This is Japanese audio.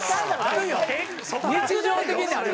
日常的にあるよ。